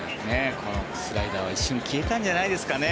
このスライダーは一瞬消えたんじゃないですかね。